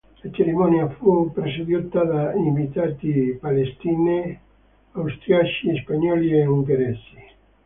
La cerimonia fu presieduta da invitati statunitensi, inglesi, austriaci, spagnoli e ungheresi.